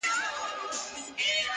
ما یې لمن کي اولسونه غوښتل.!